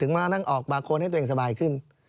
ถึงมานั่งออกปาโค้ดให้ตัวเองสบายขึ้น